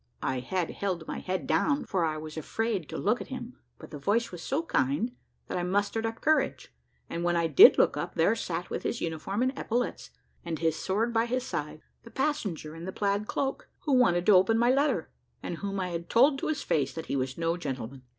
I had held my head down, for I was afraid to look at him, but the voice was so kind that I mustered up courage; and, when I did look up, there sat with his uniform and epaulets, and his sword by his side, the passenger in the plaid cloak, who wanted to open my letter, and whom I had told to his face, that he was no gentleman.